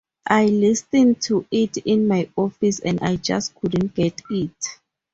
I listened to it in my office and I just couldn't get it.